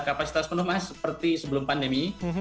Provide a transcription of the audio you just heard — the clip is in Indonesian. kapasitas penuh mas seperti sebelum pandemi